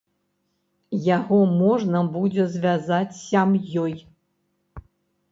Яго можна будзе звязаць сям'ёй.